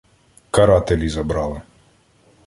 — Карателі забрали.